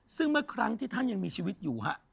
ซึ่งเมื่อครั้งที่ท่านยังมีชีวิตอยู่ฮะ